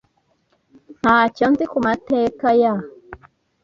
Ntacyo nzi ku mateka ya